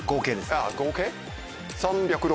あっ合計。